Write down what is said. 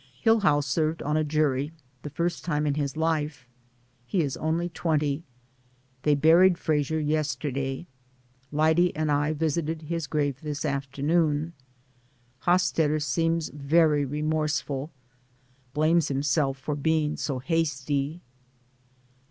Hillhouse served on a jury, the first time in his life. He is only twenty. They buried Frasier yesterday. Lyde and I visited his grave this afternoon. Hosstetter seems very remorseful; blames himself for being so hasty.